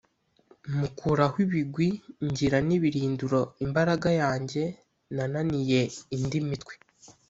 mukuraho ibigwi ngira n'ibirindiro imbaraga yanjye yananiye indi mitwe.